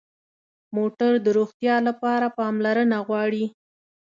موټر د روغتیا لپاره پاملرنه غواړي.